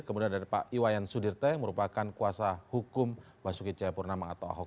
kemudian ada pak iwayan sudirte yang merupakan kuasa hukum basuki cahayapurnama atau ahok